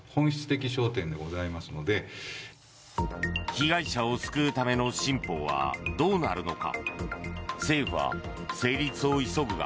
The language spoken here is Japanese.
被害者を救うための新法はどうなるのか。